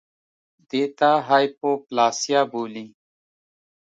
دې ته هایپوپلاسیا بولي